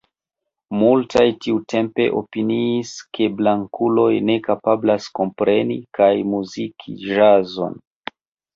Multaj tiutempe opiniis, ke blankuloj ne kapablas kompreni kaj muziki ĵazon.